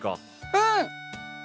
うん！